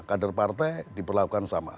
kader partai diperlakukan sama